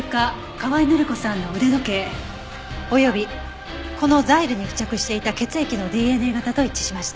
河合範子さんの腕時計及びこのザイルに付着していた血液のＤＮＡ型と一致しました。